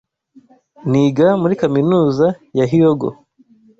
Niga muri kaminuza ya Hyogo.